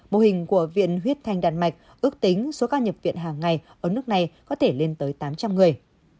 mô hình của viện huyết thanh đan mạch ước tính số ca nhập viện hàng ngày ở nước này có thể lên tới tám trăm linh người